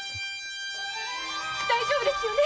大丈夫ですよね